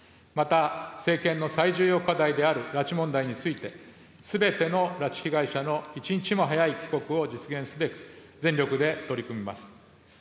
また政権の最重要課題である拉致問題について、すべての拉致被害者の一日も早い帰国を実現すべく、全力で取り組みます。